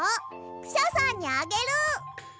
クシャさんにあげる！